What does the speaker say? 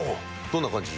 どんな感じ？